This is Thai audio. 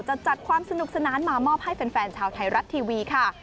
จัดความสนุกสนานมามอบให้แฟนชาวไทยรัฐทีวีค่ะ